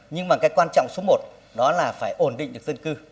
nhưng mà cái quan trọng số một đó là phải ổn định được dân cư